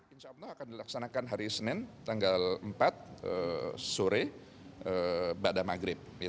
insya allah akan dilaksanakan hari senin tanggal empat sore pada maghrib